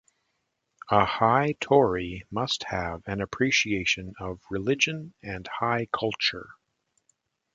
A "High Tory" must have an appreciation of religion and high culture.